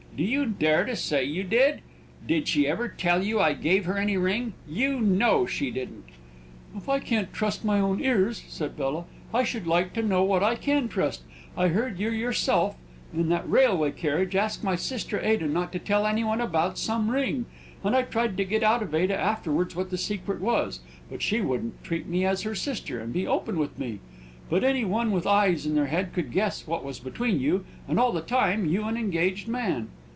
"Do you dare to say you did? Did she ever tell you I gave her any ring? You know she didn't!" "If I can't trust my own ears," said Bella, "I should like to know what I can trust. I heard you myself, in that railway carriage, ask my sister Ada not to tell any one about some ring, and I tried to get out of Ada afterwards what the secret was; but she wouldn't treat me as a sister, and be open with me. But any one with eyes in their head could guess what was between you, and all the time you an engaged man!"